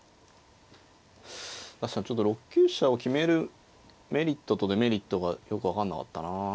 確かにちょっと６九飛車を決めるメリットとデメリットがよく分かんなかったなあ。